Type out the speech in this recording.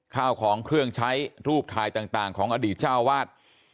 ข้าวของเครื่องใช้รูปถ่ายต่างของอดีตเจ้าวาด